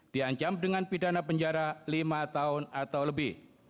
diancam dengan pidana penjara lima tahun atau lebih